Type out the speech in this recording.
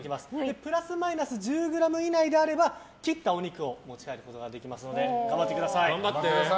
プラスマイナス１０ｇ以内であれば切ったお肉を持ち帰ることができますので頑張ってください。